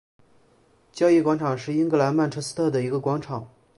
交易广场是英格兰曼彻斯特的一个广场。